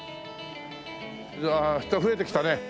人増えてきたね。